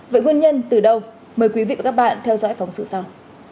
vậy nguyên nhân từ đâu mời quý vị và các bạn theo dõi phóng sự sau